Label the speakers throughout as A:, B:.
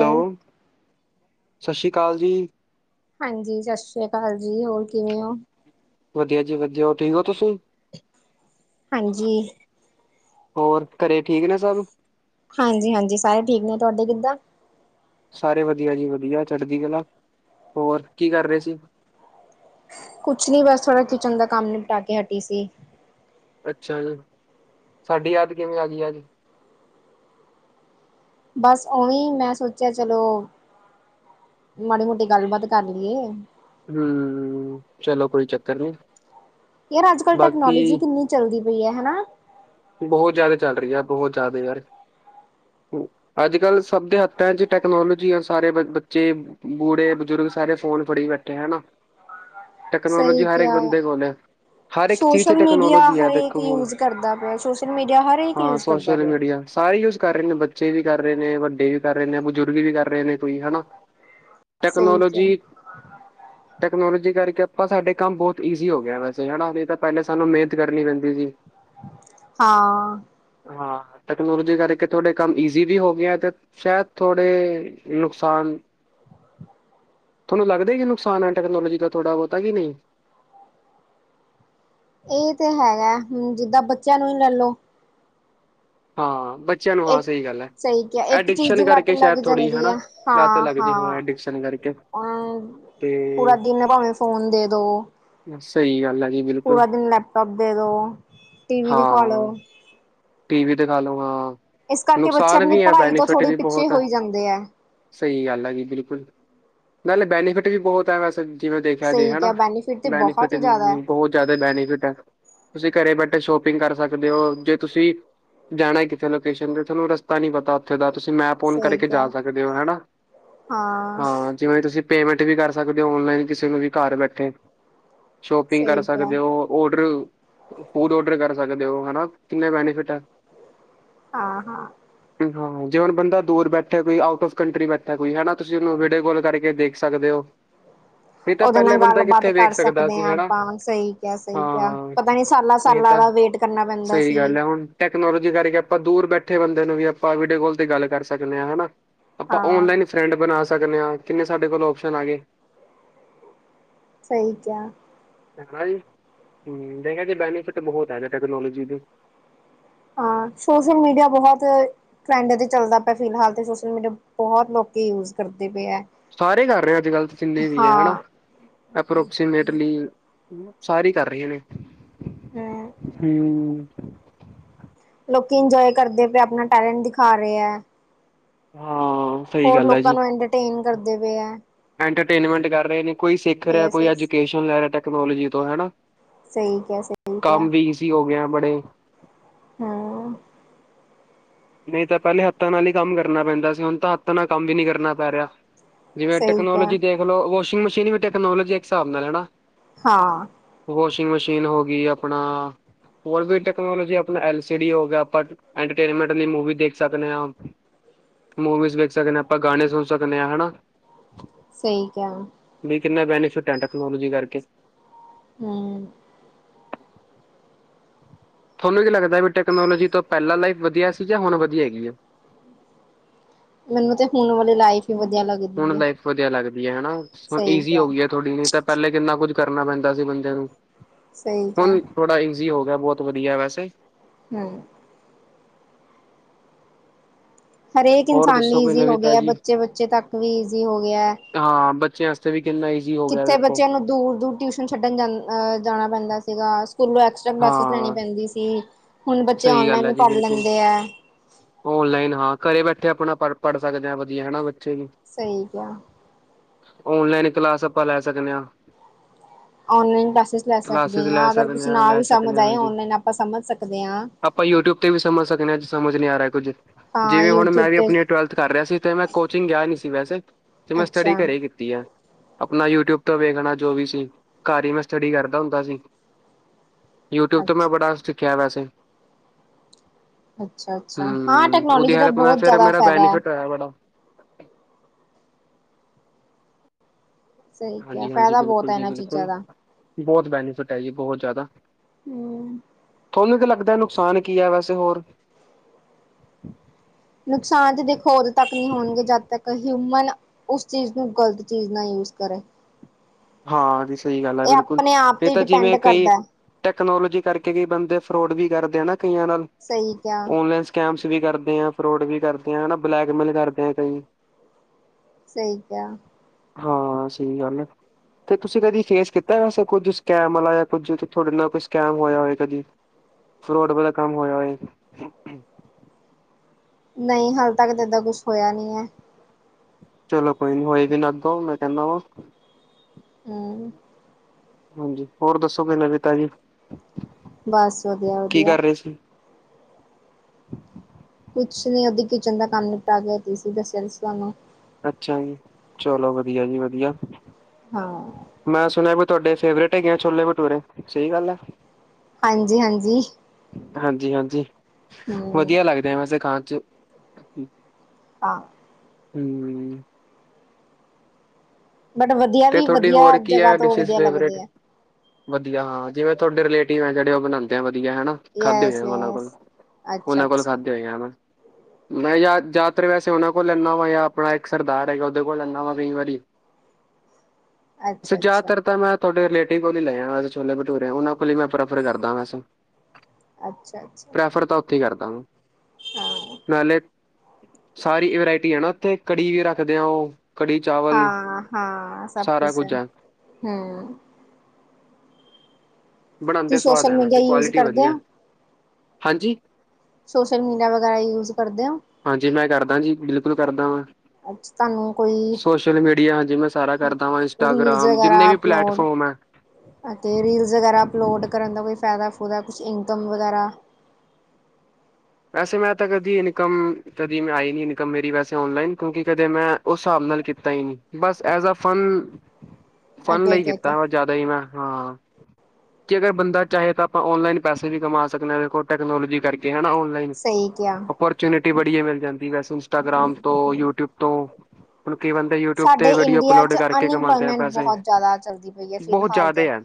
A: Hello
B: ਸਤਿ ਸ਼੍ਰੀ ਅਕਾਲ ਜੀ।
A: ਹਾਂਜੀ ਸਤਿ ਸ਼੍ਰੀ ਅਕਾਲ ਜੀ ਹੋਰ ਕਿਵੇਂ ਓ?
B: ਵਧੀਆ ਜੀ ਵਧੀਆ ਹੋਰ ਠੀਕ ਹੋ ਤੁਸੀਂ
A: ਹਾਂਜੀ
B: ਹੋਰ ਘਰੇ ਠੀਕ ਨੇ ਸਭ?
A: ਹਾਂਜੀ, ਹਾਂਜੀ ਸਾਰੇ ਠੀਕ ਨੇ ਤੁਹਾਡੇ ਕਿੱਦਾਂ?
B: ਸਾਰੇ ਵਧੀਆ ਜੀ ਵਧੀਆ ਚੜਦੀ ਕਲਾ ਹੋਰ ਕੀ ਕਰ ਰਹੇ ਸੀ।
A: ਕੁਛ ਨੀ ਬਸ ਥੋੜਾ ਕਿਚਨ ਦਾ ਕੰਮ ਨਿਪਟਾ ਕੇ ਹਟੀ ਸੀ।
B: ਅੱਛਾ ਜੀ, ਸਾਡੀ ਯਾਦ ਕਿਵੇਂ ਆ ਗਈ ਅੱਜ
A: ਬਸ ਓਵੀ ਮੈਂ ਸੋਚਿਆ ਚਲੋ। ਮਾੜੀ ਮੋਟੀ ਗੱਲਬਾਤ ਕਰ ਲਈਏ।
B: ਹੂੰ, ਚਲੋ ਕੋਈ ਚੱਕਰ ਨੀ
A: ਯਾਰ ਅੱਜ ਕੱਲ੍ਹ
B: ਬਾਕੀ
A: ਟੈਕਨੋਲੋਜੀ ਕਿੰਨੀ ਚੱਲਦੀ ਪਈ ਏ ਹਨਾ
B: ਬਹੁਤ ਜ਼ਿਆਦਾ ਚੱਲ ਰਹੀ ਆ ਬਹੁਤ ਜ਼ਿਆਦੇ ਯਰ, ਅੱਜ-ਕੱਲ ਸਭ ਦੇ ਹੱਥਾਂ ਚ ਟੈਕਨੋਲੋਜੀ ਆ ਸਾਰੇ ਬ ਬੱਚੇ, ਬੂੜੇ ਬਜ਼ੁਰਗ ਸਾਰੇ ਫੋਨ ਫੜੀ ਬੈਠੇ ਹਨ। ਟੈਕਨੋਲੋਜੀ
A: ਸਹੀ
B: ਹਰ ਇੱਕ
A: ਕਿਹਾ
B: ਬੰਦੇ ਕੋਲ ਹੈ ਹਰ ਇੱਕ ਚੀਜ਼
A: ਸੋਸ਼ਲ
B: ਚ
A: ਮੀਡੀਆ
B: ਟੈਕਨੋਲੋਜੀ ਹੈ
A: ਹਰੇਕ
B: ਦੇਖੋ ਹੁਣ,
A: ਯੂਜ ਕਰਦਾ ਪਿਆ ਸੋਸ਼ਲ ਮੀਡੀਆ ਹਰ ਇਕ
B: ਹਾਂ
A: ਯੂਜ ਕਰਦਾ
B: ਸੋਸ਼ਲ
A: ਪਿਆ।
B: ਮੀਡੀਆ ਸਾਰੇ ਹੀ ਯੂਜ ਕਰ ਰਹੇ ਨੇ ਬੱਚੇ ਵੀ ਕਰ ਰਹੇ ਨੇ ਵੱਡੇ ਵੀ ਕਰ ਰਹੇ ਨੇ ਬਜ਼ੁਰਗ ਵੀ ਕਰ ਰਹੇ ਨੇ ਕੋਈ ਹਨਾ।
A: ਸਹੀ ਕਿਹਾ
B: ਟੈਕਨੋਲੋਜੀ, ਟੈਕਨੋਲੋਜੀ ਕਰਕੇ ਆਪਾ ਸਾਡੇ ਕੰਮ ਬਹੁਤ ਈਜ਼ੀ ਹੋ ਗਿਆ ਵੈਸੇ ਹਨਾ ਨਹੀ ਤਾਂ ਪਹਿਲੇ ਸਾਨੂੰ ਮਿਹਨਤ ਕਰਨੀ ਪੈਂਦੀ ਸੀ।
A: ਹਾਂ।
B: ਹਾਂ ਟੈਕਨੋਲੋਜੀ ਕਰਕੇ ਥੋਡੇ ਕੰਮ ਈਜ਼ੀ ਵੀ ਹੋ ਗਏ ਆ ਤੇ, ਸ਼ਾਇਦ ਥੋੜੇ ਨੁਕਸਾਨ, ਥੋਨੂੰ ਲੱਗਦਾ ਜ ਨੁਕਸਾਨ ਹੈ ਟੈਕਨੋਲਜੀ ਦਾ ਥੋੜ੍ਹਾ ਬਹੁਤਾ ਕਿ ਨਹੀਂ,
A: ਇਹ ਤੇ ਹੈਗਾ ਹੂੰ ਜਿੱਦਾਂ ਬੱਚਿਆਂ ਨੂੰ ਹੀ ਲੈਲੋ।
B: ਹਾਂ। ਬੱਚਿਆਂ ਨੂੰ ਹਾਂ
A: ਇੱਕ
B: ਸਹੀ ਗੱਲ ਹੈ
A: ਸਹੀ ਕਿਹਾ ਇੱਕ ਚੀਜ਼
B: ਐਡਿਕਸ਼ਨ
A: ਦੀ ਲੱਤ
B: ਕਰਕੇ ਸ਼ਾਇਦ
A: ਲੱਗ
B: ਥੋੜ੍ਹੀ
A: ਜਾਂਦੀ ਆ
B: ਹਨਾ ਲਤ
A: ਹਾਂ
B: ਲੱਗਦੀ ਹੋਣਾ
A: ਹਾਂ
B: ਐ ਸ਼ਨ ਕਰਕੇ,
A: ਅ ਪੂਰਾ
B: ਤੇ
A: ਦਿਨ ਭਾਵੇਂ ਫੋਨ ਦੇ ਦੋ,
B: ਸਹੀ ਗੱਲ ਐ ਜੀ। ਬਿਲਕੁਲ
A: ਪੂਰਾ ਦਿਨ ਲੈਪਟੋਪ ਦੇ ਦੋ ਟੀ ਵੀ ਦਿਖਾਲੋ।
B: ਹਾਂ ਟੀ ਵੀ ਦਿਖਾਲੋ ਹਾਂ,
A: ਇਸ ਕਰਕੇ ਬੱਚੇ
B: ਨੁਕਸਾਨ
A: ਆਪਣੀ
B: ਵੀ ਹੈ
A: ਪੜ੍ਹਾਈ ਤੋਂ
B: ਬੈਨੀਫਿਟ
A: ਥੋੜ੍ਹੀ
B: ਵੀ
A: ਪਿੱਛੇ
B: ਬਹੁਤ ਐ।
A: ਹੋਈ ਜਾਂਦੇ ਹੈ
B: ਸਹੀ ਗੱਲ ਹੈ ਜੀ ਬਿਲਕੁਲ ਨਾਲੇ ਬੈਨੀਫਿਟ ਵੀ ਬਹੁਤ ਹੈ ਵੈਸੇ। ਜਿਵੇਂ ਦੇਖਿਆ ਜੇ
A: ਸਹੀ ਕਿਹਾ
B: ਹਨਾ
A: ਬੈਨੀਫਿਟ ਤੇ ਬਹੁਤ
B: ਬੈਨੀਫਿਟ
A: ਹੀ ਜ਼ਿਆਦਾ ਹੈ
B: ਵੀ ਬਹੁਤ ਜ਼ਿਆਦਾ ਬੈਨੀਫਿਟ ਹੈ। ਤੁਸੀਂ ਘਰੇ ਬੈਠੇ ਸ਼ੋਪਿੰਗ ਕਰ ਸਕਦੇ ਹੋ ਜੇ ਤੁਸੀਂ ਜਾਣਾ ਕਿੱਥੇ ਲੋਕੇਸ਼ਨ ਤੇ ਥੋਨੂੰ ਰ ਪਤਾ ਨਹੀਂ ਪਤਾ ਉੱਥੇ ਦਾ ਤੁਸੀਂ ਮੈਂਪ ਔਨ
A: ਸਹੀ
B: ਕਰਕੇ
A: ਕਿਹਾ
B: ਜਾ ਸਕਦੇ ਹੋ ਹੈਨਾ, ਹਾਂ। ਜਿਵੇਂ ਤੁਸੀਂ ਪੇਮੈਂਟ ਵੀ ਕਰ ਸਕਦੇ ਹੋ ਔਨਲਾਈਨ ਕਿਸੇ ਨੂੰ ਵੀ ਘਰ ਬੈਠੇ, ਸ਼ੋਪਿੰਗ ਕਰ
A: ਸਹੀ ਕਿਹਾ
B: ਸਕਦੇ ਹੋ ਔਡਰ, ਫੂਡ ਔਡਰ ਕਰ ਸਕਦੇ ਹੋ ਹਨਾ। ਕਿੰਨੇ ਬੈਨੀਫਿਟ ਆ।
A: ਹਾਂ-ਹਾਂ।
B: ਹਾਂ ਜਿਵੇਂ ਬੰਦਾ ਦੂਰ ਬੈਠਿਆ ਕੋਈ ਆਊਟ ਔਫ ਕੰਟਰੀ ਬੈਠਿਆ ਕੋਈ ਹਨਾ, ਤੁਸੀਂ ਉਹਨੂੰ ਵੀਡੀਓ ਕਾਲ ਕਰਕੇ ਦੇਖ ਸਕਦੇ ਹੋ। ਨਹੀਂ ਤਾਂ
A: ਉਹਦੇ
B: ਪਹਿਲੇ
A: ਨਾਲ
B: ਬੰਦਾ
A: ਗੱਲਬਾਤ
B: ਕਿੱਥੇ ਵੇਖ
A: ਕਰ
B: ਸਕਦਾ
A: ਸਕਦੇ
B: ਸੀ
A: ਹਾਂ
B: ਹਨਾ
A: ਆਪਾਂ ਸਹੀ ਕਿਹਾ ਸਹੀ ਕਿਹਾ,
B: ਹਾਂ
A: ਪਤਾ ਨੀ ਸਾਲਾਂ
B: ਨਹੀਂ
A: ਸਾਲਾਂ
B: ਤਾਂ
A: ਬਾਅਦ ਵੇਟ ਕਰਨਾ ਪੈਂਦਾ।
B: ਸਹੀ ਗੱਲ
A: ਸੀ
B: ਹੈ ਹੁਣ ਟੈਕਨੋਲੋਜੀ ਕਰਕੇ ਆਪਾਂ ਦੂਰ ਬੈਠੇ ਬੰਦੇ ਨੂੰ ਵੀ ਆਪਾਂ ਵੀਡੀਓ ਕਲ ਤੇ ਗੱਲ ਕਰ ਸਕਦੇ ਹਾਂ ਹਨਾ। ਆਪਾਂ
A: ਹਾਂ
B: ਔਨਲਾਈਨ ਫਰੈਂਡ ਬਣਾ ਸਕਦੇ ਹਾਂ ਕਿੰਨੇ ਸਾਡੇ ਕੋਲ ਓਪਸ਼ਨ ਆ ਗਏ।
A: ਸਹੀ ਕਿਆ,
B: ਹਨਾ ਜੀ, ਹੂੰ ਦੇ ਕਿਹਾ ਜੀ ਬੈਨੀਫਿਟ ਬਹੁਤ ਹੈ ਨਾ ਟੈਕਨੋਲੋਜੀ ਦੇ,
A: ਹਾਂ ਸੋਸ਼ਲ ਮੀਡੀਆ ਬਹੁਤ, ਟਰੈਂਡ ਤੇ ਚੱਲਦਾ ਪਿਆ ਫਿਲਹਾਲ ਤੇ ਸੋਸ਼ਲ ਮੀਡੀਆ ਬਹੁਤ ਲੋਕੀ ਯੂਜ ਕਰਦੇ ਪਏ ਹੈ।
B: ਸਾਰੇ ਕਰ ਰਹੇ ਐ ਅੱਜ-ਕੱਲ ਜਿੰਨੇ ਵੀ ਹੈ ਹਨਾ।
A: ਹਾਂ
B: ਅਪਰੋਕਸੀਮੇਟਲੀ ਸਾਰੇ ਕਰ ਰਹੇ ਨੇ।
A: ਹਮ
B: ਹੂੰ,
A: ਲੋਕੀ ਇੰਜੋਏ ਕਰਦੇ ਪਏ ਆਪਣਾ ਟੈਲੈਂਟ ਦਿਖਾ ਰਹੇ ਐ।
B: ਹਾਂ। ਸਹੀ
A: ਹੋਰ
B: ਗੱਲ ਹੈ ਜੀ
A: ਲੋਕਾਂ ਨੂੰ ਇੰਟਰਟੇਨ ਕਰਦੇ ਪਏ ਐ,
B: ਐਂਟਰਟੇਨਮੈਂਟ ਕਰ ਰਹੇ ਨੇ ਕੋਈ ਸਿੱਖ ਰਿਹਾ
A: ਯਸ
B: ਕੋਈ
A: ਯਸ
B: ਐਜੂਕੇਸ਼ਨ ਲੈ ਰਿਹਾ ਟੈਕਨੋਲੋਜੀ ਤੋਂ ਹੈਨਾ।
A: ਸਈ ਕਿਆ ਸਈ ਕਿਆ।
B: ਕੀ ਹੋ ਗਿਆ ਬੜੇ
A: ਹਾਂ।
B: ਨਈ ਤਾਂ ਪੈਲੇ ਹੱਥਾਂ ਨਾਲ ਈ ਕੰਮ ਕਰਨਾ ਪੈਂਦਾ ਸੀ ਹੁਣ ਤਾਂ ਹੱਥਾਂ ਨਾਲ ਕੰਮ ਵੀ ਨੀ ਕਰਨਾ ਪੈ ਰਿਆ। ਜਿਵੇਂ
A: ਸਹੀ ਕਿਹਾ
B: ਟੈਕਨੋਲੋਜੀ ਦੇਖ ਲੋ ਵੋਸ਼ਿੰਗ ਮਸ਼ੀਨ ਵੀ ਟੈਕਨੋਲੋਜੀ ਹਿਸਾਬ ਨਾਲ ਹਨਾ।
A: ਹਾਂ।
B: ਵੋਸ਼ਿੰਗ ਮਸ਼ੀਨ ਹੋਗੀ ਆਪਣਾ ਹੋਰ ਕੋਈ ਟੈਕਨੋਲੋਜੀ ਆਪਣਾ ਐਲ ਸੀ ਡੀ ਹੋ ਗਿਆ ਆਪਾਂ ਏਂਟਟੇਂਨਮੈਂਟ ਲਈ ਮੂਵੀ ਦੇਖ ਸਕਣੇ ਆਂ ਮੂਵੀਜ਼ ਵੇਖ ਸਕਣੇ ਆਂ, ਆਪਾਂ ਗਾਣੇ ਸੁਣ ਸਕਣੇ ਆਂ ਹਨਾ।
A: ਸਈ ਕਿਆ।
B: ਵੀ ਕਿੰਨਾ ਬੈਨੀਫਿਟ ਐ ਟੈਕਨੋਲੋਜੀ ਕਰਕੇ।
A: ਹੂੰ।
B: ਥੋਂਨੂੰ ਕੀ ਲੱਗਦੈ ਵੀ ਟੈਕਨੋਲੋਜੀ ਤੋਂ ਪੈਲਾਂ ਲਾਈਫ ਵਧੀਆ ਸੀ ਜਾਂ ਹੁਣ ਵਧੀਆ ਹੈਗੀ ਐ?
A: ਮੈਨੂੰ ਤੇ ਹੁਣ ਵਾਲੀ ਲਾਈਫ ਈ ਵਧੀਆ ਲੱਗ
B: ਹੁਣ ਲਾਈਫ ਵਧੀਆ ਲੱਗਦੀ ਐ ਹੇਨਾ ਹੁਣ ਈਜ਼ੀ
A: ਕਿਹਾ
B: ਹੋਗੀ ਐ ਥੋੜੀ ਨਈ ਤਾਂ ਪੈਲੇ ਕਿੰਨਾ ਕੁੱਝ ਕਰਨਾ ਪੈਂਦਾ ਸੀ ਬੰਦੇ ਨੂੰ।
A: ਸਈ ਕਿਆ।
B: ਥੋੜ੍ਹਾ ਈਜ਼ੀ ਹੋ ਗਿਆ ਬੋਤ ਵਧੀਆ ਵੈਸੇ।
A: ਹੂੰ। ਹਰੇਕ
B: ਹੋਰ
A: ਇਨਸਾਨ ਲਈ
B: ਦੱਸੋ ਕੋਈ
A: ਈਜ਼ੀ ਹੋ
B: ਨਵੀਂ
A: ਗਿਆ
B: ਤਾਜੀ
A: ਬੱਚੇ-ਬੱਚੇ ਤੱਕ ਵੀ ਈਜ਼ੀ ਹੋ ਗਿਐ
B: ਹਾਂ ਬੱਚਿਆਂ ਵਾਸਤੇ ਵੀ ਕਿੰਨਾ ਈ
A: ਕਿੱਥੇ ਬੱਚਿਆਂ ਨੂੰ ਦੂਰ-ਦੂਰ ਟਿਊਸ਼ਨ ਛੱਡਣ ਜਾਨ ਜਾਣਾ ਪੈਂਦਾ ਸੀਗਾ ਸਕੂਲੋਂ ਐਕਸ [unintelligible] ਕਲਾਸਿਸ ਲੈਣੀ
B: ਹਾਂ
A: ਪੈਂਦੀ ਸੀ ਹੁਣ ਬੱਚੇ
B: ਸਹੀ ਗੱਲ
A: ਔਨਲਾਈਨ
B: ਹੈ
A: ਈ
B: ਜੀ
A: ਪੜ੍ਹ
B: ਬਿਲਕੁਲ
A: ਲੈਂਦੇ ਐ।
B: ਔਨਲਾਈਨ ਹਾਂ ਘਰੇ ਬੈਠੇ ਆਪਣਾ ਪ ਪੜ੍ਹ ਸਕਦੇ ਆ ਵਧੀਆ ਹਨਾ ਬੱਚੇ ਵੀ।
A: ਸਈ ਕਿਆ।
B: ਓਨਲੈਂਨ ਕਲਾਸ ਆਪਾਂ ਲੈ ਸਕਣੇ ਆਂ
A: ਔਨਲਾਈਨ ਕਲਾਸਿਸ ਲੈ ਸਕਦੇ
B: ਕਲਾਸਿਸ ਲੈ
A: ਆਂ ਅਗਰ ਕੁਛ
B: ਸਕਦੇ ਹਾਂ
A: ਨਾ
B: ਲੈ
A: ਵੀ
B: ਸਕਦੇ
A: ਸਮਝ
B: ਹਾਂ
A: ਆਏ
B: ਹਾਂਜੀ
A: ਔਨਲਾਈਨ ਆਪਾਂ ਸਮਝ ਸਕਦੇ ਆਂ।
B: ਆਪਾਂ ਯੂਟਿਊਬ ਤੇ ਵੀ ਸਮਝ ਸਕਣੇ ਆਂ ਜੇ ਸਮਝ ਨੀ ਆ ਰਿਆ ਕੁੱਝ
A: ਹਾਂ
B: ਜਿਵੇਂ ਹੁਣ
A: ਯੂਟਿਊਬ
B: ਮੈਂ ਵੀ
A: ਤੇ
B: ਆਪਣੇ ਟਵੈਲਥ ਕਰ ਰਿਆ ਸੀ ਤੇ ਮੈਂ ਕੋਚਿੰਗ ਗਿਆ ਨੀ ਸੀ ਵੈਸੇ ਤੇ ਮੈਂ ਸਟੱਡੀ
A: ਅੱਛਾ
B: ਘਰੇ ਈ ਕੀ ਤੀ ਐ ਆਪਣਾ ਯੂਟਿਊਬ ਤੋਂ ਵੇਖਣਾ ਜੋ ਵੀ ਸੀ ਘਰ ਈ ਮੈਂ ਸਟੱਡੀ ਕਰਦਾ ਹੁੰਦਾ ਸੀ। ਯੂਟਿਊਬ ਤੋਂ ਮੈਂ
A: ਅੱਛਾ
B: ਬੜਾ ਸਿੱਖਿਆ ਵੈਸੇ।
A: ਅੱਛਾ-ਅੱਛਾ ਹਾਂ ਟੈਕਨੋਲੋਜੀ ਦਾ ਬੋਤ ਜਾਦਾ ਫੈਦੈ।
B: ਹੈ ਬੜਾ।
A: ਸਹੀ ਕਿਹਾ
B: ਹਾਂਜੀ-ਹਾਂਜੀ
A: ਫਾਇਦਾ ਬਹੁਤ
B: ਬਿਲਕੁਲ
A: ਹੈ
B: ਜੀ
A: ਇਹਨਾਂ ਚੀਜ਼ਾਂ
B: ਬਿਲਕੁਲ।
A: ਦਾ
B: ਬੋਤ ਬੈਨੀਫਿਟ ਐ ਜੀ ਬੋਤ ਜਾਦਾ
A: ਹਮ
B: ਥੋਨੂੰ ਕੀਂ ਲੱਗਦਾ ਨੁਕਸਾਨ ਕੀ ਐ ਵੈਸ ਤੇ ਹੋਰ
A: ਨੁਕਸਾਨ ਤੇ ਦੇਖੋ ਓਦੋ ਤੱਕ ਨੀ ਹੋਣਗੇ ਜਦ ਤੱਕ ਹਿਊਮਨ ਉਸ ਚੀਜ਼ ਨੂੰ ਗ਼ਲਤ ਚੀਜ਼ ਨਾ ਯੂਜ ਕਰੇ।
B: ਹਾਂ ਵੀ ਸਈ ਗੱਲ ਐ
A: ਇਹ
B: ਬਿਲਕੁੱਲ
A: ਆਪਣੇ ਆਪ
B: ਏ
A: ਤੇ
B: ਤਾਂ
A: ਡਿਪੈਂਡ
B: ਜਿਵੇਂ ਕਈ
A: ਕਰਦਾ ਹੈ।
B: ਟੈਕਨੋਲੋਜੀ ਕਰਕੇ ਕਈ ਬੰਦੇ ਫਰੋਡ ਵੀ ਕਰਦੇ ਆ ਨਾ ਕਈਆਂ ਨਾਲ
A: ਸਹੀ ਕਿਹਾ
B: ਔਨਲੈਂਨ ਸਕੈਮਸ ਵੀ ਕਰਦੇ ਆ, ਫਰੋਡ ਵੀ ਕਰਦੇ ਆ, ਹਨਾ ਬਲੈਕਮੇਲ ਕਰਦੇ ਆ ਕਈ
A: ਸਈ ਕਿਆ।
B: ਹਾਂ ਸਈ ਗੱਲ ਐ। ਤੇ ਤੁਸੀਂ ਕਦੀ ਫੇਸ ਕੀਤਾ ਵੈਸੇ ਕੁੱਝ ਸਕੈਮ ਵਾਲਾ ਜਾਂ ਕੁੱਝ ਤੁਹਾਡੇ ਨਾਲ ਕੋਈ ਸਕੈਮ ਹੋਇਆ ਹੋਵੇ ਕਦੀ? ਫਰੋਡ ਵਾਲਾ ਕੰਮ ਹੋਯਾ ਏ
A: ਨਈ ਹਲੇ ਤੱਕ ਤਾ ਇਦਾ ਕੁਛ ਹੋਇਆ ਨੀ ਐ
B: ਚਲੋ ਕੋਈ ਨੀ ਹੋਏ ਵੀ ਨਾ ਅਗੋ ਮੈਂ ਕਹਿੰਨਾ ਵਾ
A: ਹਮ
B: ਹਾਂਜੀ ਹੋਰ ਦੱਸੋ ਕੋਈ ਨਵੀ ਤਾਜੀ
A: ਬਸ
B: ਕੀ
A: ਵਧੀਆ-ਵਧੀਆ
B: ਕਰ ਰਹੇ ਸੀ?
A: ਕੁਛ ਨੀ ਅਬੀ ਕਿਚਨ ਦਾ ਕੰਮ ਨਿਪਟਾ ਕੇ ਹਟੀ ਸੀ ਦੱਸਿਆ ਸੀ ਤਾਨੂੰ
B: ਅੱਛਾ ਜੀ। ਚਲੋ ਵਧੀਆ ਜੀ ਵਧੀਆ
A: ਹਾਂ
B: ਮੈਂ ਸੁਣਿਆ ਵੀ ਤੁਹਾਡੇ ਫੇਵਰੇਟ ਹੈਗੇ ਆ ਛੋਲੇ ਬਟੂਰੇ ਸਈ ਗੱਲ ਏ
A: ਹਾਂਜੀ- ਹਾਂਜੀ
B: ਹਾਂਜੀ -ਹਾਂਜੀ,
A: ਹਮ
B: ਵਧੀਆ ਲੱਗਦ ਐ ਵੈਸੇ ਖਾਣ ਚ
A: [unintelligible]
B: ਹਮ
A: ਬਟ ਵਧੀਐ
B: ਤੇ ਥੋਹਡੀ ਹੋਰ ਕੀ ਐ ਡਿਸ਼ਿਜ਼ ਫੇਵਰੇਟ। ਵਧੀਆ ਹਾਂ ਜਿਵੇਂ ਥੋਹਡੇ ਰਿਲੇਟਿਵ ਹੈਂ ਤੁਆਡੇ ਔਹ ਬਣਾਉਂਦੇ ਆ ਵਧੀਆ ਹੈਨਾ। ਖਾਧੇ ਹੋਏ
A: ਯਸ
B: ਆ ਔਨਾਂ ਕੋਲ,
A: ਯਸ ਅੱਛਾ
B: ਔਨਾਂ ਕੋਲ
A: ਅੱਛਾ
B: ਖਾਧੇ ਹੋਏ ਆ ਮੈਂ। ਮੈਂ ਯ ਜਾਂਆਤਰ ਵੈਸੇ ਔਹਨਾਂ ਕੋਲ ਲੈਂਨਾ ਵਾਂ ਯਾਂ ਆਪਣਾ ਇੱਕ ਸਰਦਾਰ ਹੈਗਾ ਔਹਦੇ ਕੋਲ ਲੈਂਨਾ ਵਾਂ ਕਈ ਵਾਰੀ
A: ਅੱਛਾ
B: ਸਚ
A: ਅੱਛਾ
B: ਜਾਦਾਤਰ ਤਾਂ ਮੈਂ ਤੁਆਡੇ ਰਿਲੇਟਿਵ ਕੋਲ ਹੀ ਲਏ ਆ ਵਸੇ ਛੋਲੇ ਬਟੂਰੇ ਔਹਨਾਂ ਕੋਲ ਹੀ ਮੈਂ ਪ੍ਰੈਫਰ ਕਰਦਾ ਵੈਸੇ।
A: ਅੱਛਾ- ਅੱਛਾ
B: ਫਰ ਤਾ ਔਥੋ ਹੀ ਕਰਦਾ ਮੈ
A: ਹਾਂ
B: [inaudible] ਨਾਲੇ ਸਾਰੀ ਈ ਵਰਾਇਟੀ ਐ ਨਾ ਔਥੇ ਕੜੀ ਵੀ ਰੱਖਦੇ ਆ ਔਹ
A: ਹਾਂ -ਹਾਂ ਸਭ
B: ਸਾਰਾ
A: ਕੁਛ ਹੈ
B: ਕੁੱਝ
A: ਹਮ ਤੂਂ
B: ਬਣਾਉਂਦੇ ਸਵਾਦ
A: ਸੋਸ਼ਲ
B: ਹੈ
A: ਮੀਡੀਆ
B: ਵੈਸੇ
A: ਯੂਸ
B: ਕੁਆਲਿਟੀ
A: ਕਰਦੈ?
B: ਵਧੀਆ ਹਾਂਜੀ
A: ਸੋਸ਼ਲ ਮੀਡੀਆ ਵਗੈਰਾ ਯੂਜ ਕਰਦਾਂ
B: ਹਾਂਜੀ ਮੈਂ ਕਰਦਾ ਜੀ ਬਿਲਕੁਲ ਕਰਦਾ ਵਾਂ
A: ਤੁਹਾਨੂੰ ਕੋਈ
B: ਸੋਸ਼ਲ ਮੀਡੀਆ। ਹਾਂਜੀ, ਮੈਂ ਸਾਰਾ ਕਰਦਾ ਵਾਂ ਇੰਸਟਾਗ੍ਰਾਮ ਜਿੰਨੇ ਵੀ ਪਲੇਟਫੋਮ ਐ।
A: ਤੇ ਰੀਲਸ ਵਗੈਰਾ ਅਪਲੋਡ ਕਰਨ ਦਾ ਕੋਈ ਫਾਇਦਾ ਫੁਦਾ ਕੁਛ ਇਨਕਮ ਵਗੈਰਾ?
B: ਵੈਸੇ ਮੈਂ ਤਾਂ ਕਦੀ ਇਨਕਮ ਕਦੀ ਮੈਂ ਆਈ ਨੀ ਇਨਕਮ ਮੇਰੀ ਵੈਸੇ ਔਨਲਾਈਨ ਕਿਉਂਕਿ ਕਦੇ ਮੈਂ ਉਸ ਸਾਬ ਨਾਲ ਕੀਤਾ ਈ ਨੀ ਬਸ ਐਜ ਅ ਫਨ ਫਨ
A: ਅੱਗੇ
B: ਲਈ
A: ਅੱਗੇ ਅੱਗੇ
B: ਕੀਤਾ ਜਾਦਾ ਈ ਮੈਂ ਹਾਂ ਕਿ ਅਗਰ ਬੰਦਾ ਚਾਹੇ ਤਾਂ ਆਪਾਂ ਔਨਲਾਈਨ ਪੈਸੇ ਵੀ ਕਮਾ ਸਕਦੇ ਹਾਂ ਵੇਖੋ ਟੈਕਨੋਲੋਜੀ ਕਰਕੇ ਹਨਾ ਔਨ [unintelligible]
A: ਸਹੀ ਕਿਹਾ
B: [unintelligible] ਚੁਨਿਟੀ ਬੜੀਆ ਮਿਲ ਜਾਂਦੀ ਵੈਸੇ ਇੰਸਟਾਗ੍ਰਾਮ ਤੋਂ ਯੂਟਿਊਬ ਤੋਂ [unintelligible] ਕਈ ਯੂਟਿਊਬ
A: ਸਾਡੇ
B: ਤੇ ਵੀਡੀਓ
A: ਇੰਡੀਆ
B: ਅਪਲੋਡ
A: ਚ
B: ਕਰਕੇ ਕਮਾਂਦੇ ਆ
A: ਅਨਇੰਪਲੋਇਮੈਂਟ
B: ਪੈਸੇ
A: ਬਹੁਤ ਜ਼ਿਆਦਾ ਚੱਲਦੀ ਪਈ ਹੈ
B: ਬਹੁਤ
A: ਫਿਲਹਾਲ ਤੇ
B: ਜ਼ਿਆਦੇ ਐ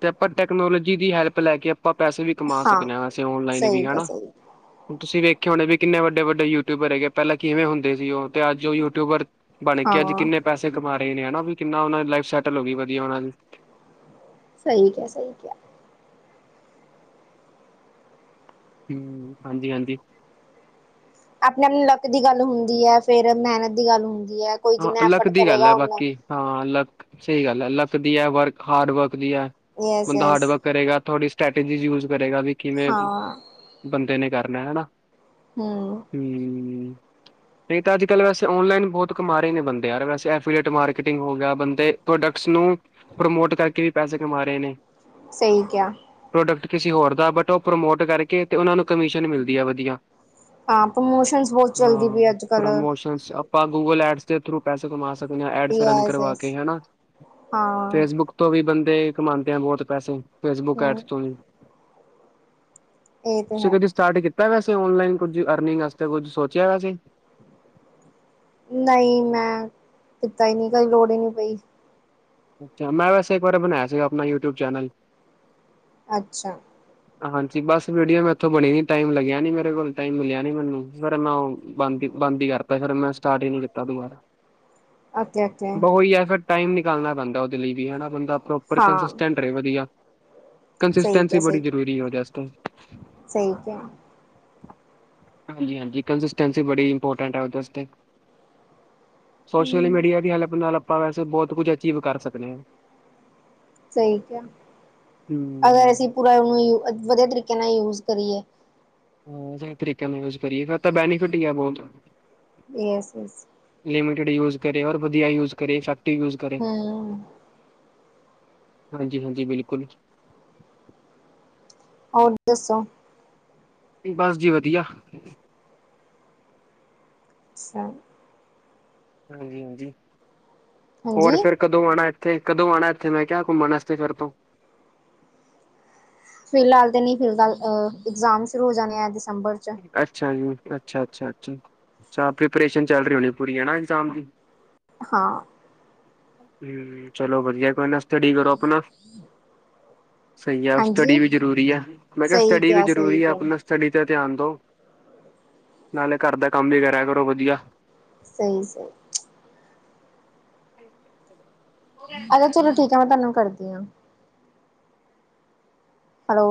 B: ਤੇ ਆਪਾਂ ਟੈਕਨੋਲੋਜੀ ਦੀ ਹੈਲਪ ਲੈ ਕੇ ਅਪਾਂ ਪੈਸੇ ਵੀ ਕਮਾ
A: ਹਾਂ
B: ਸਕਦੇ ਆਂ ਵੈਸੇ ਔਨਲਾਈਨ ਵੀ
A: ਸਹੀ ਕਿਹਾ
B: ਹੈਨਾ।
A: ਸਹੀ
B: ਹੁਣ ਤੁਸੀਂ ਵੇਖੈ ਹੋਣੇ ਵੀ ਕਿੰਨੇ ਵੱਡੇ ਵੱਡੇ ਯੂਟਿਊਬਰ ਹੈਗੇ ਪੈਹਲਾਂ ਕਿਵੇਂ ਹੁੰਦੇ ਸੀ ਤੇ ਔਹ ਅੱਜ ਔ ਯੂਟਿਊਬਰ ਬਣ ਕੇ ਅੱਜ
A: ਹਾਂ
B: ਕਿੰਨੇ ਪੈਸੇ ਕਮਾ ਰੇ ਨੇ ਹਨਾ ਵੀ ਕਿੰਨਾ ਔਨਾਂ ਦੀ ਲਾਈਫ ਸੈਟਲ ਹੋ ਗਈ ਵਧੀਆ ਔਨਾਂ ਦੀ।
A: ਸਈ ਕਿਆ ਸਈ ਕਿਆ।
B: ਹਮ ਹਾਂਜੀ ਹਾਂਜੀ
A: ਆਪਣੇ ਲੱਕ ਦੀ ਗੱਲ ਹੁੰਦੀ ਐ ਫੇਰ ਮੈਹਨਤ ਦੀ ਗੱਲ ਹੁੰਦੀ ਹੈ ਕੋਈ
B: ਹਾਂ
A: ਜਿੰਨਾ
B: ਲੱਕ
A: ਐਫਰਟ
B: ਦੀ ਗੱਲ
A: ਕਰੇਗਾ
B: ਹੈ
A: ਔਨਾ
B: ਬਾਕੀ ਹਾਂ ਲੱਕ ਸਈ ਗੱਲ ਐ ਲੱਕ ਦੀ ਐ ਵਰਕ ਹਾਰਡ ਵਰਕ ਦੀ ਐ
A: ਯਸ
B: ਬੰਦਾ ਹਾਰਡ
A: ਯਸ
B: ਵਰਕ ਕਰੇਗਾ ਥੋੜੀ ਸਟ੍ਰੈਟਜੀ ਯੂਜ ਕਰੇਗਾ ਵੀ ਕਿਵੇਂ
A: ਹਾਂ
B: ਬੰਦੇ ਨੇ ਕਰਨਾ ਹਨਾ।
A: ਹ
B: ਹੂ, ਤਾਂ ਅੱਜ ਕੱਲ ਵੈਸੇ ਔਨਲਾਈਨ ਬਹੁਤ ਕਮਾ ਰੇ ਨੇ ਬੰਦੇ ਯਾਰ ਵੈਸੇ ਐਫੀਲੀਏਟ ਮਾਰਕੀਟਿੰਗ ਹੋ ਗਿਆ ਬੰਦੇ ਪ੍ਰੋਡਕਟਸ ਨੂੰ ਪ੍ਰਮੋਟ ਕਰਕੇ ਵੀ ਪੈਸੇ ਕਮਾ ਰਹੇ ਨੇ।
A: ਸਈ ਕਿਆ।
B: ਪ੍ਰੋਡਕਟ ਕਿਸੇ ਹੋਰ ਦਾ, ਬਟ ਉਹ ਪ੍ਰਮੋਟ ਕਰਕੇ ਤੇ ਉਹਨਾਂ ਨੂੰ ਕਮਿਸ਼ਨ ਮਿਲਦੀ ਐ ਵਧੀਆ।
A: ਹਾਂ। ਪ੍ਰਮੋਸ਼ਨਸ ਬਹੁਤ ਚੱਲਦੀ ਪਈ ਅੱਜ ਕੱਲ੍ਹ।
B: ਅੱਛਾ, ਆਪਾਂ ਗੂਗਲ ਐਡਸ ਦੇ ਥਰੂ ਪੈਸੇ ਕਮਾ ਸਕਦੇ ਹਾਂ ਐਡਸ ਰਨ
A: ਯਸ
B: ਕਰਵਾ
A: ਯਸ
B: ਕੇ ਹੈਨਾ।
A: ਹਾਂ
B: ਫੇਸਬੁੱਕ ਤੋਂ ਵੀ ਬੰਦੇ ਕਮਾਉਂਦੇ ਆ ਬਹੁਤ ਪੈਸੇ ਫੇਸਬੁੱਕ
A: ਹੂੰ
B: ਐਡਸ ਤੋਂ ਵੀ।
A: ਇਹ ਤੇ
B: ਤੁਸੀਂ
A: ਹੈ
B: ਕਦੇ ਸਟਾਰਟ ਕੀਤਾ ਵੈਸੇ ਓਨਲਾਈਨ ਕੁੱਝ ਅਰਨਿੰਗ ਵਾਸਤੇ ਕੁੱਝ ਸੋਚਿਆ ਵੈਸੇ।
A: ਨਈ, ਮੈਂ ਕੀਤਾ ਈ ਨਈ ਕਦੀ ਲੋੜ ਈ ਨੀ ਪਈ।
B: ਅੱਛਾ, ਮੈਂ ਵੈਸੇ ਇੱਕ ਬਾਰ ਬਣਾਇਆ ਸੀਗਾ ਆਪਣਾ ਯੂਟਿਊਬ ਚੈਨਲ।
A: ਅੱਛਾ।
B: ਹਾਂਜੀ, ਬਸ ਵੀਡੀਆ ਮੈਂ ਇੱਥੋਂ ਬਣੀ ਨੀ ਟਾਈਮ ਲੱਗਿਆ ਨੀ ਮੇਰੇ ਕੋਲ ਟਾਈਮ ਮਿਲਿਆ ਨੀ ਮੈਨੂੰ ਫਿਰ ਮੈਂ ਬੰਦ- ਬੰਦ ਹੀ ਕਰਤਾ ਫਿਰ ਮੈਂ ਸਟਾਰਟ ਹੀ ਨੀ ਕੀਤਾ ਦੁਬਾਰਾ।
A: ਓਕੇ ਓਕੇ
B: ਬ ਉਹੀ ਹੈ ਫਿਰ ਟਾਈਮ ਨਿਕਲਣਾ ਪੈਂਦਾ ਉਹਦੇ ਲਈ ਵੀ ਬੰਦਾ ਪੋਰੋਪਰ
A: ਹਾਂ
B: ਕਰੇ ਵਧੀਆ।
A: ਸਹੀ
B: ਕੰਸਿਸਟੈਂਸੀ
A: ਕਿਹਾ ਸਹੀ
B: ਬੜੀ ਜ਼ਰੂਰੀ ਹੈ ਉਹ ਦੇਤੇ।
A: ਸਹੀ ਕਿਹਾ।
B: [inaudible] ਹਾਂਜੀ- ਹਾਂਜੀ। ਕੰਸਿਸਟੈਂਸੀ ਬੜੀ ਇੰਪੋਰਟੈਂਟ ਹੈ ਉਹਦੇ ਵਾਸਤੇ। ਸੋਸ਼ਲ
A: ਹੂੰ
B: ਮੀਡੀਆ ਦੀ ਹੈਲਪ ਨਾਲ ਆਪਾਂ ਵੈਸੇ ਬਹੁਤ ਕੁਝ ਅਚੀਵ ਕਰ ਸਕਦੇ ਹਾਂ।
A: ਸਹੀ ਕਿਹਾ ਅਗਰ
B: ਹਮ।
A: ਅਸੀਂ ਪੂਰਾ ਉਹਨੂੰ ਵਧੀਆ ਤਰੀਕੇ ਨਾਲ ਯੂਜ ਕਰੀਏ।
B: ਹਾਂ। ਸਹੀ ਤਰੀਕੇਿਆਂ ਨਾਲ ਯੂਜ ਕਰੀਏ ਫਿਰ ਤਾਂ ਬੈਨੀਫਿਟ ਹੀ ਆ ਬਹੁਤ।
A: ਯਸ ਯਸ
B: ਲਿਮਿਡ ਯੂਜ ਕਰੇ ਔਰ ਵਧੀ ਯੂ ਕਰ ਇਫੈਕਟਵ ਯੂਜ਼।
A: ਹੂ
B: ਹਾਂਜੀ- ਹਾਂਜੀ, ਬਿਲਕੁਲ।
A: ਹੋਰ ਦੱਸੋ?
B: ਬਸ ਜੀ ਵਧੀਆ।
A: ਅੱਛਾ।
B: ਹਾਂਜੀ- ਹਾਂਜੀ, ਹੋਰ
A: ਹਾਂਜੀ
B: ਫਿਰ ਕਦੋਂ ਆਉਣਾ ਇੱਥੇ ਕਦੋਂ, ਆਉਣਾ ਇੱਥੇ ਮੈਂ ਕਿਹਾ ਘੁੰਮਣ ਵਾਸਤੇ ਫਿਰਰ ਤੋਂ।
A: ਫਿਲਹਾਲ ਤੇ ਨਹੀਂ, ਫਿਲਹਾਲ ਇਗਜ਼ਾਮ ਸ਼ੁਰੂ ਹੋ ਜਾਣੇ ਆ ਦਸੰਬਰ ਚ'।
B: ਅੱਛਾ ਜੀ, ਅੱਛਾ- ਅੱਛਾ- ਅੱਛਾ। ਅੱਛਾ ਪ੍ਰੀਪਰੇਸ਼ਨ ਚੱਲ ਰਹੀ ਹੋਣੀ ਪੂਰੀ ਹੈ ਨਾ ਇਗਜ਼ਾਮ ਦੀ।
A: ਹਾਂ।
B: ਹੂ, ਚਲੋ ਵਧੀਆ, ਕੋਈ ਨਾ ਸਟਡੀ ਕਰੋ ਆਪਣਾ। ਸਹੀ ਆ ਸਟੱਡੀ
A: ਹਾਂਜੀ
B: ਵੀ ਜ਼ਰੂਰੀ ਆ, ਮੈਂ ਕਿਹਾ,
A: ਸਹੀ
B: ਸਟੱਡੀ ਵੀ
A: ਸਹੀ
B: ਜ਼ਰੂਰੀ ਆ,
A: ਕਿਹਾ,
B: ਆਪਣਾ ਸਟੱਡੀ ਤੇ ਧਿਆਨ ਦਓ। ਨਾਲੇ ਘਰ ਦਾ ਕੰਮ ਵੀ ਕਰੈਰਾ ਕਰੋ ਵਧੀਆ।
A: ਸਹੀ -ਸਹੀ। ਅ ਚਲੋ ਠੀਕ ਹੈ ਮੈਂ ਤੁਹਾਨੂੰ ਕਰਦੀ ਹਾਂ। Hello,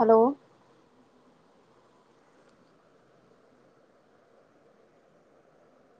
A: hello,